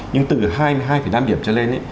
nhưng từ hai mươi hai năm điểm cho lên